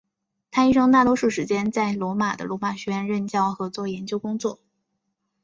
他一生大多数时间在罗马的罗马学院任教和做研究工作。